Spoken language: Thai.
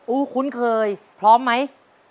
คุ้นเคยพร้อมไหม